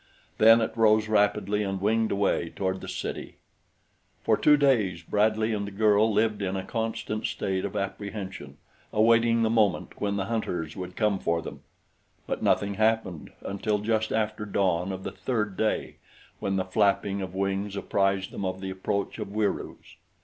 Then it rose rapidly and winged away toward the city. For two days Bradley and the girl lived in a constant state of apprehension, awaiting the moment when the hunters would come for them; but nothing happened until just after dawn of the third day, when the flapping of wings apprised them of the approach of Wieroos.